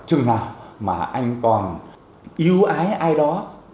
chừng nào mà anh còn yêu ái ai đó